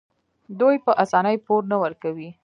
دوی په اسانۍ پور نه ورکوي.